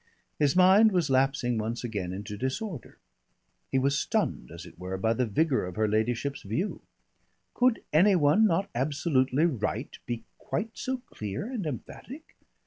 His mind was lapsing once again into disorder; he was stunned, as it were, by the vigour of her ladyship's view. Could any one not absolutely right be quite so clear and emphatic?